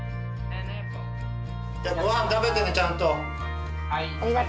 ごはん食べてねちゃんと。